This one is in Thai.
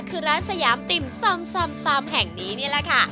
คือร้านสยามติ่มซอมแห่งนี้นี่แหละค่ะ